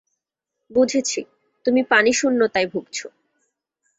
বুঝেছি, তুমি পানিশূন্যতায় ভুগছো।